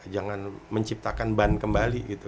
jangan menciptakan ban kembali